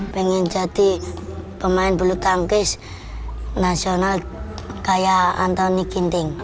pengen jadi pemain bulu tangkis nasional kayak antoni ginting